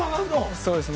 そうですね。